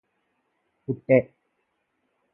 పుట్టె